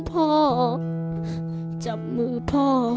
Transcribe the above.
เป็นให้พ่อ